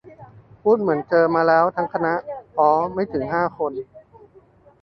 พูดเหมือนเจอมาแล้วทั้งคณะ อ๋อ ไม่ถึงห้าคน